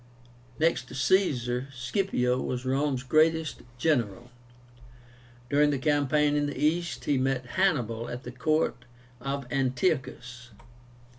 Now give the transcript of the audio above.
Next to Caesar, Scipio was Rome's greatest general. During the campaign in the East, he met Hannibal at the court of Antiochus.